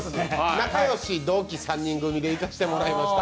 仲良し、同期３人組で行かせていただきました。